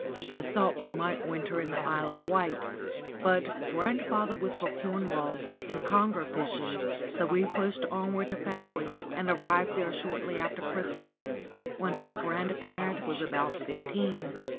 I thought we might winter in the Isle of Wight, but grandfather was for Cornwall and conger fishing, so we pushed onwards to Fowey, and arrived there shortly after Christmas, when my grandparent was about fifteen.